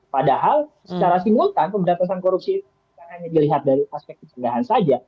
padahal secara simultan pemberantasan korupsi itu hanya dilihat dari aspek pencegahan saja